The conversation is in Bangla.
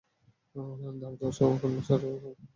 ধার দেওয়ার পর, কর্ণ স্যারও আমাকে আর বলেননি।